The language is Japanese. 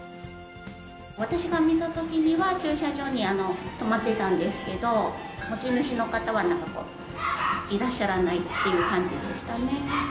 私が見たときには、駐車場に止まっていたんですけど、持ち主の方はなんかこう、いらっしゃらないっていう感じでしたね。